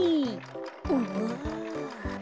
うわ。